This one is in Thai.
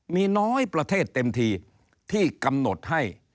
มีน้อยประเทศเต็มทีที่กำหนดให้